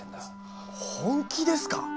本気ですか？